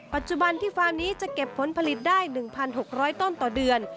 ปัจจุบันที่ฟาร์มนี้จะเก็บผลผลิตได้๑๖๐๐ต้นต่อเดือน